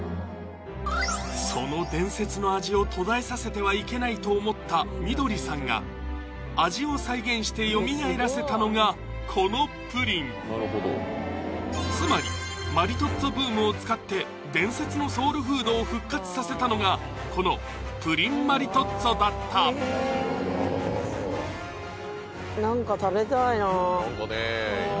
その伝説の味を途絶えさえてはいけないと思ったみどりさんが味を再現してよみがえらせたのがこのプリンつまりマリトッツォブームを使って伝説のソウルフードを復活させたのがこのプリンマリトッツォだったいい